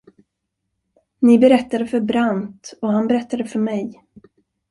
Ni berättade för Brandt och han berättade för mig.